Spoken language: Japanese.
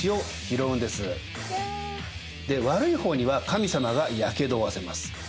いや！で悪い方には神様がやけどを負わせます。